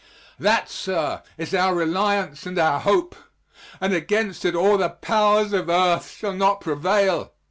That, sir, is our reliance and our hope, and against it all the powers of earth shall not prevail.